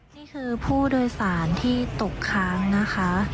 นี่คือผู้โดยสารที่ตกค้างนะคะ